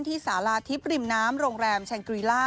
ที่สาราทิศริมน้ำโรงแรมแชนกรีล่า